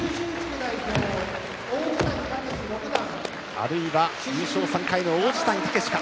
あるいは優勝３回の王子谷剛志か。